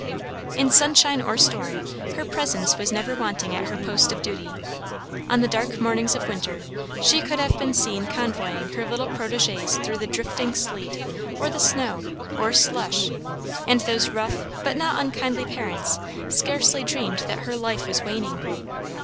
In sunshine or storm her presence was never wanting at her post of duty. On the dark mornings of winter she could have been seen convoying her little protégés through the driving sleet, or the snow, or slush, and those rough but not unkindly parents scarcely dreamed that her life was waning.